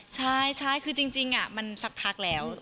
ใช่คือจริงมันสักพักแล้ว